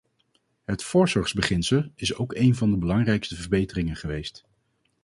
Het voorzorgsbeginsel is ook één van de belangrijkste verbeteringen geweest.